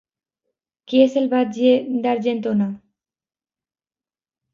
Qui és el batlle d'Argentona?